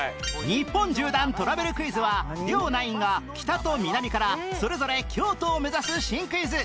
日本縦断トラベルクイズは両ナインが北と南からそれぞれ京都を目指す新クイズ